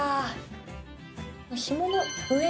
ひもの上の。